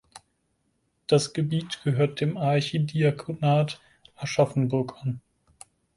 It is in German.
Das Gebiet gehörte dem Archidiakonat Aschaffenburg an.